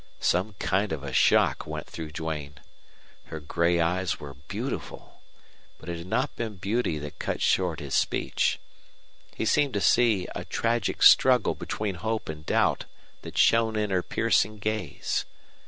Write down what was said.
Some kind of a shock went through Duane. Her gray eyes were beautiful, but it had not been beauty that cut short his speech. He seemed to see a tragic struggle between hope and doubt that shone in her piercing gaze.